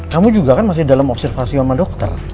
kamu juga kan masih dalam observasi sama dokter